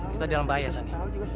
kita dalam bahaya sani